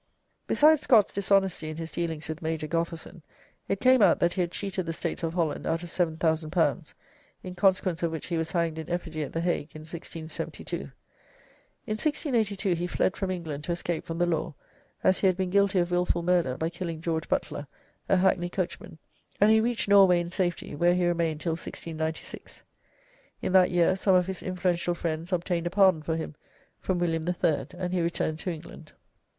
] Besides Scott's dishonesty in his dealings with Major Gotherson, it came out that he had cheated the States of Holland out of L7,000, in consequence of which he was hanged in effigy at the Hague in 1672. In 1682 he fled from England to escape from the law, as he had been guilty of wilful murder by killing George Butler, a hackney coachman, and he reached Norway in safety, where he remained till 1696. In that year some of his influential friends obtained a pardon for him from William III., and he returned to England.